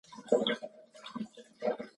خدای ملاتړ وکړی.